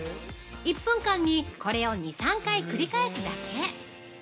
１分間に、これを２３回繰り返すだけ。